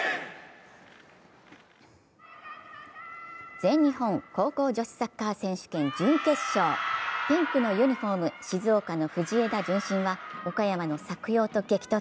全日本高校女子サッカー選手権準決勝、ピンクのユニフォーム、静岡の藤枝順心は岡山の作陽と激突。